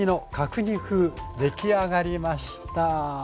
でき上がりました。